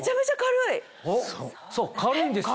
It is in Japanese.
そう軽いんですよ。